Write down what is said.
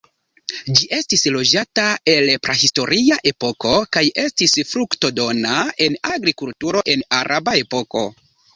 Ĝi estis loĝata el prahistoria epoko kaj estis fruktodona en agrikulturo en araba epoko.